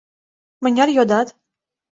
— Мыняр йодат?